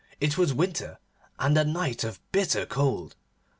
It was winter, and a night of bitter cold.